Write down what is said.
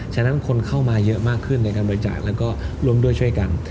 ฉะนั้นคนเข้ามาเยอะมากขึ้นในการบริจาคแล้วก็ร่วมด้วยช่วยกัน